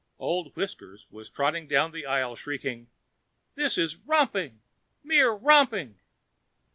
Old Whiskers was tottering down the aisle, shrieking, "This is romping! Mere romping!"